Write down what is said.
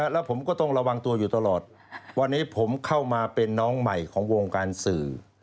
แล้วผมก็ต้องระวังตัวอยู่ตลอดวันนี้ผมเข้ามาเป็นน้องใหม่ของวงการสื่อ